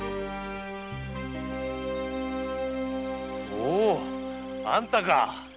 おぉあんたか！